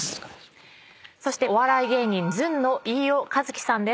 そしてお笑い芸人ずんの飯尾和樹さんです。